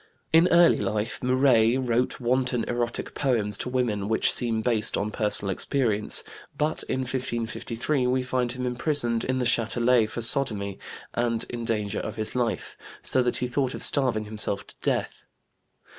In early life Muret wrote wanton erotic poems to women which seem based on personal experience. But in 1553 we find him imprisoned in the Châtelet for sodomy and in danger of his life, so that he thought of starving himself to death.